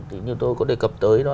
thì như tôi có đề cập tới đó